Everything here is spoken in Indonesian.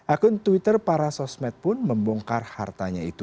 akun twitter para sosmed pun membongkar hartanya itu